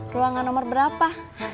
ruangan nomor berapa